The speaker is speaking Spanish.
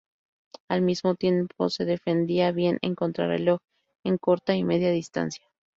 Al mismo tiempo, se defendía bien en contrarreloj en corta y media distancia.